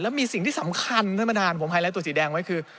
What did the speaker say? แล้วมีสิ่งที่สำคัญทั้งประมาณนั้นผมไฮไลท์ตัวสีแดงไว้คือ